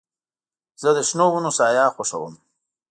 زه د شنو ونو سایه خوښوم.